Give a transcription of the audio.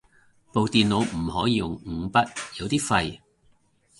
部電腦唔可以用五筆，有啲廢